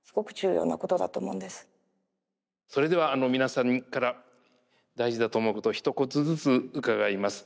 それでは皆さんから大事だと思うことをひと言ずつ伺います。